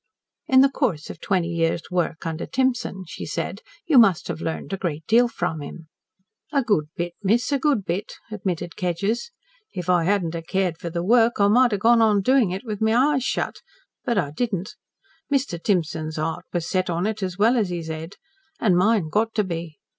"In the course of twenty years' work under Timson," she said, "you must have learned a great deal from him." "A good bit, miss a good bit," admitted Kedgers. "If I hadn't ha' cared for the work, I might ha' gone on doing it with my eyes shut, but I didn't. Mr. Timson's heart was set on it as well as his head. An' mine got to be.